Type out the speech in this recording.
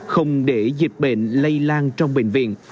không để dịch bệnh lây lan trong bệnh viện